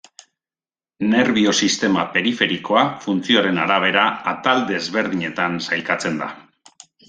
Nerbio-sistema periferikoa funtzioaren arabera atal desberdinetan sailkatzen da.